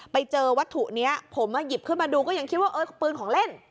ไปเจอวัตถุนี้ผมหยิบขึ้นมาดูก็ยังคิดว่าเออปืนของเล่น